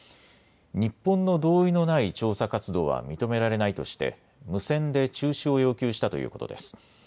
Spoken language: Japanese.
日本の同意のない調査活動は認められないとして無線で中止を要求したということです。